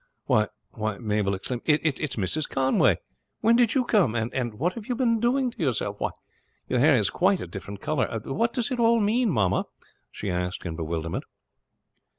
"Why why " Mabel exclaimed, "it's Mrs. Conway. When did you come, and what have you been doing to yourself? Why, your hair is quite a different color! What does it all mean, mamma?" she asked in bewilderment.